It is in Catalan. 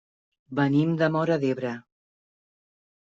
Venim de Móra d'Ebre.